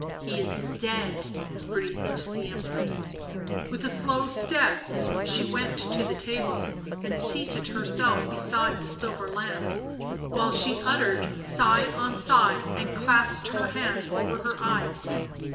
" He is dead," breathed the Empress. With a slow step she went to the table and seated herself beside the silver lamp, while she uttered sigh on sigh and clasped her hands over her eyes.